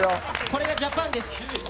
これがジャパンです。